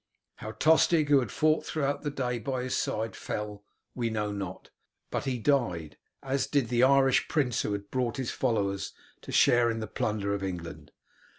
How Tostig, who had throughout the day fought by his side, fell, we know not, but he died, as did the Irish prince who had brought his followers to share in the plunder of England.